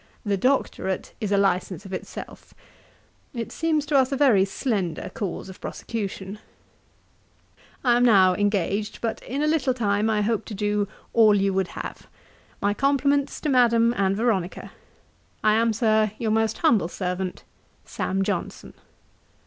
The Doctorate is a licence of itself. It seems to us a very slender cause of prosecution. 'I am now engaged, but in a little time I hope to do all you would have. My compliments to Madam and Veronica. 'I am, Sir, 'Your most humble servant, 'SAM. JOHNSON.'